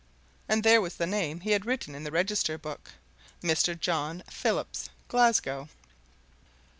And there was the name he had written in the register book Mr. John Phillips, Glasgow.